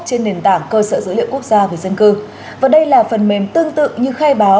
trên nền tảng cơ sở dữ liệu quốc gia về dân cư và đây là phần mềm tương tự như khai báo